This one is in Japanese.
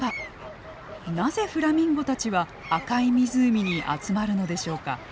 なぜフラミンゴたちは赤い湖に集まるのでしょうか？